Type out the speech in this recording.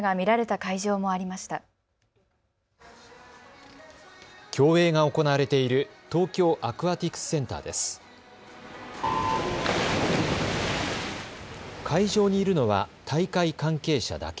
会場にいるのは大会関係者だけ。